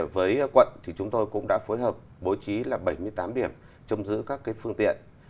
với quận thì chúng tôi cũng đã phối hợp bố trí là bảy mươi tám điểm chôm giữ các phương tiện